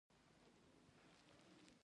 د شیا بټر د څه لپاره وکاروم؟